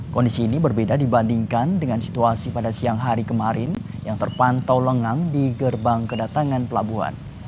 kondisi ini berbeda dibandingkan dengan situasi pada siang hari kemarin yang terpantau lengang di gerbang kedatangan pelabuhan